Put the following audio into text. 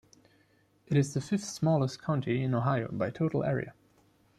It is the fifth-smallest county in Ohio by total area.